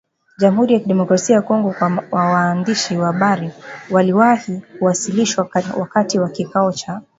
jamhuri ya kidemokrasia ya Kongo kwa waandishi wa habari waliwahi kuwasilishwa wakati wa kikao cha